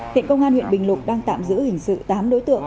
hiện công an huyện bình lục đang tạm giữ hình sự tám đối tượng